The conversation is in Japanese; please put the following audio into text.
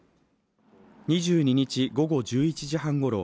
２２日午後１１時半ごろ